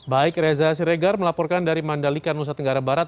baik reza siregar melaporkan dari mandalika nusa tenggara barat